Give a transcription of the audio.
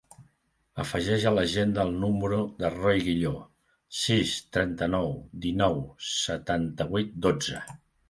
Afegeix a l'agenda el número del Roi Guillo: sis, trenta-nou, dinou, setanta-vuit, dotze.